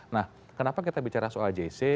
nah kenapa kita bicara soal jc